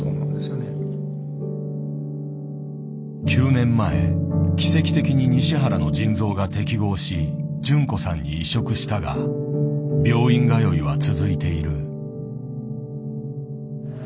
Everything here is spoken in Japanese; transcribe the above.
９年前奇跡的に西原の腎臓が適合し純子さんに移植したが病院通いは続いている。